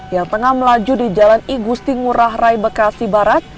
yang tengah melaju di jalan igusti ngurah rai bekasi barat